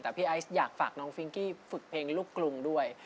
แต่พี่ไอซ์อยากฝากน้องฟิงกี้ฝึกเพลงลูกกรุงด้วย